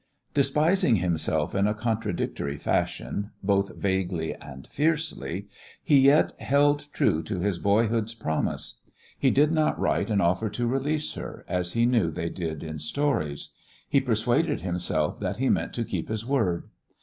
Despising himself in a contradictory fashion both vaguely and fiercely he yet held true to his boyhood's promise. He did not write and offer to release her, as he knew they did in stories. He persuaded himself that he meant to keep his word.